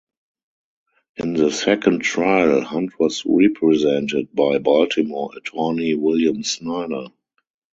In the second trial, Hunt was represented by Baltimore attorney William Snyder.